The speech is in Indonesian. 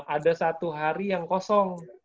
ada satu hari yang kosong